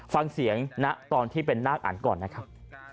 ฟังเสียงณตอนที่เป็นนาคอันก่อนนะครับ